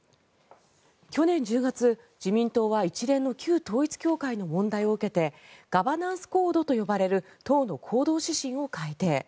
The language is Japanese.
去年１０月、自民党は一連の旧統一教会の問題を受けてガバナンスコードと呼ばれる党の行動指針を改訂。